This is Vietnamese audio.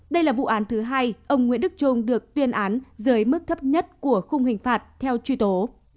đây là vụ án thứ hai ông nguyễn đức trung được tuyên án dưới mức thấp nhất của khung hình phạt theo truy tố